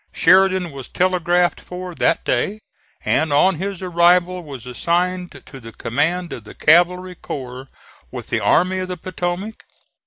Sheridan was telegraphed for that day, and on his arrival was assigned to the command of the cavalry corps with the Army of the Potomac.